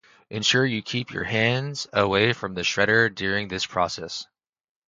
Ensure you keep your hands away from the shredder during this process.